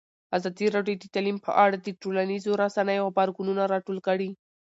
ازادي راډیو د تعلیم په اړه د ټولنیزو رسنیو غبرګونونه راټول کړي.